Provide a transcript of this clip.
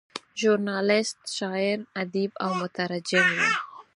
ژورنالیسټ، شاعر، ادیب او مترجم و.